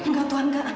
enggak tuan enggak